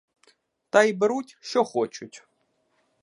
Та й беруть, що хочуть.